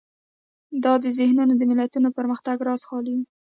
دا ذهنونه د ملتونو پرمختګ رازه خالي وي.